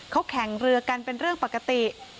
เขาแข่งเรือกันเป็นเรื่องปกติ